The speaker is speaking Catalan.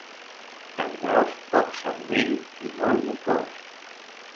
Cap gros, poc cervell i molt mocós.